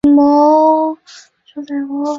道光十七年丁酉科翻译乡试翻译举人。